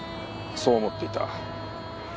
そう思っていた。